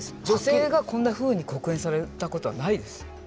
女性がこんなふうに刻印された事はないです。